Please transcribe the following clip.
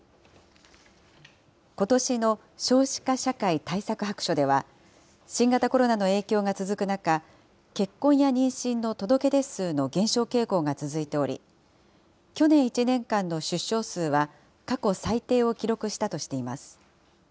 ことしの少子化社会対策白書では、新型コロナの影響が続く中、結婚や妊娠の届け出数の減少傾向が続いており、去年１年間の出生数は過去最低を記録したとしています。